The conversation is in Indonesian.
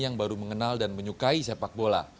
yang baru mengenal dan menyukai sepak bola